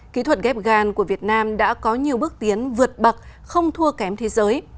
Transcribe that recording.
kỹ thuật ghép gan của việt nam đã có nhiều bước tiến vượt bậc không thua kém thế giới